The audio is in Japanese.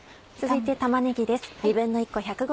続いて玉ねぎです。